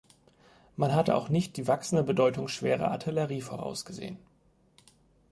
Man hatte auch nicht die wachsende Bedeutung schwerer Artillerie vorausgesehen.